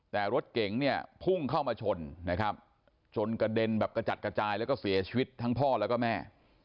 แต่รถเก๋งเนี่ยพุ่งเข้ามาชนนะครับจนกระเด็นแบบกระจัดกระจายแล้วก็เสียชีวิตทั้งพ่อแล้วก็แม่